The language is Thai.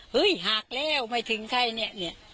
เฮ้ยหักแล้วไม่ถึงใช่เนี่ย